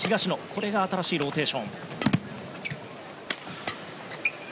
これが新しいローテーション。